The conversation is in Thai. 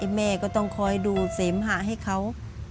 แม่ก็ต้องคอยดูเสมหะให้เขา